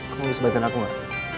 kamu bisa bantuin aku gak